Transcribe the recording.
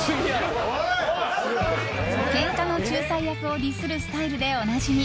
けんかの仲裁役をディスるスタイルでおなじみ